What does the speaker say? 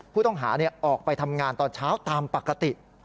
ผู้ต้องหาออกไปทำงานตอนเช้าตามปกติ